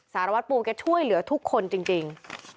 สารวัตรปูแกช่วยเหลือทุกคนจริง